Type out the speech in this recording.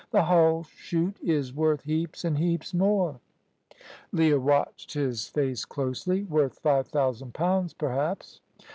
Th' hull shoot is worth heaps an' heaps more." Leah watched his face closely. "Worth five thousand pounds, perhaps?"